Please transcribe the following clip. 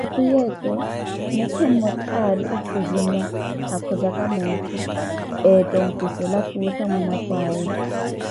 Sikhu yeeto, muukha mmote aari okhuzinya, akhozaka moottho etta onkwisela futha mwanapwa awe.